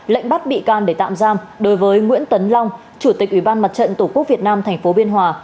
lệnh bắt bị can để tạm giam đối với nguyễn tấn long chủ tịch ủy ban mặt trận tổ quốc việt nam tp biên hòa